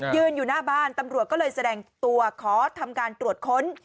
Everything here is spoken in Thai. ยืนอยู่หน้าบ้านตำรวจก็เลยแสดงตัวขอทำการตรวจค้น